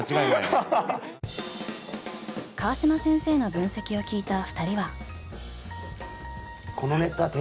川島先生の分析を聞いた２人は？